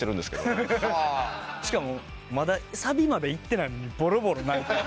しかもまだサビまで行ってないのにボロボロ泣いて。